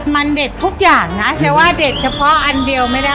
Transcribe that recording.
มันเด็ดทุกอย่างนะแต่ว่าเด็ดเฉพาะอันเดียวไม่ได้